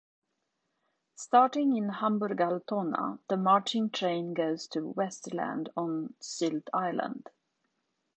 Starting in Hamburg-Altona, the marching train goes to Westerland on Sylt Island.